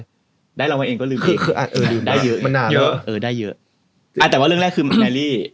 ผมลืมมันมากแต่ว่าเรื่องแรกคือแมรี่